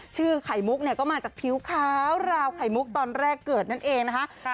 ไข่มุกเนี่ยก็มาจากผิวขาวราวไข่มุกตอนแรกเกิดนั่นเองนะคะ